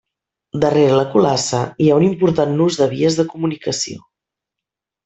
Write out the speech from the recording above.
Darrere la Culassa hi ha un important nus de vies de comunicació.